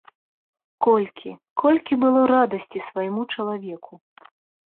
Колькі, колькі было радасці свайму чалавеку.